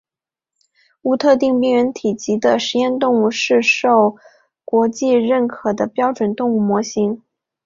无特定病原体级的实验动物是受国际认可的标准动物模型。